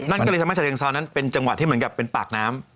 นั่นก็เลยทำให้ชะเรียงซาวนั้นเป็นจังหวะที่เหมือนกับเป็นปากน้ำ